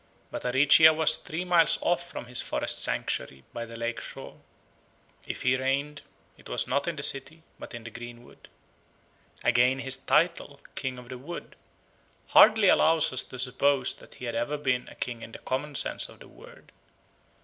But Aricia was three miles off from his forest sanctuary by the lake shore. If he reigned, it was not in the city, but in the greenwood. Again his title, King of the Wood, hardly allows us to suppose that he had ever been a king in the common sense of the word.